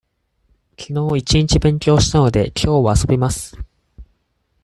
きのう一日勉強したので、きょうは遊びます。